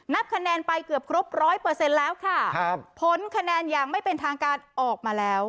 คะแนนไปเกือบครบร้อยเปอร์เซ็นต์แล้วค่ะครับผลคะแนนอย่างไม่เป็นทางการออกมาแล้ว